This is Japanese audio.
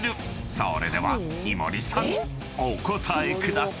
［それでは井森さんお答えください］